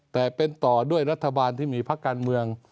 แต่เป็นต่อด้วยรัฐบาลที่มีพักการเมือง